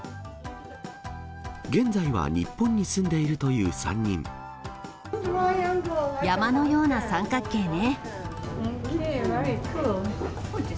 現在は日本に住んでいるという３山のような三角形ね。